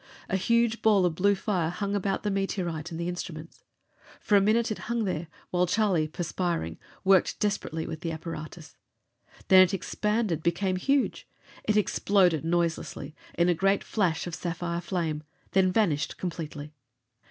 A huge ball of blue fire hung, about the meteorite and the instruments. For minutes it hung there, while Charlie, perspiring, worked desperately with the apparatus. Then it expanded; became huge. It exploded noiselessly, in a great flash of sapphire flame, then vanished completely.